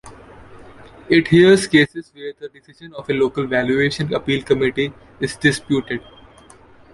It hears cases where the decision of a local Valuation Appeal Committee is disputed.